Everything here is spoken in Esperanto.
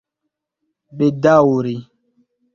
bedaŭri